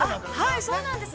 ◆はい、そうなんです。